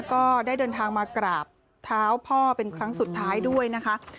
ก็ได้เดินทางมากราบเท้าพ่อเป็นครั้งสุดท้ายด้วยนะคะ